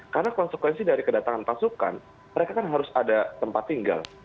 karena konsekuensi dari kedatangan pasukan mereka kan harus ada tempat tinggal